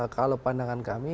kalau pandangan kami